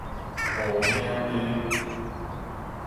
牯嶺街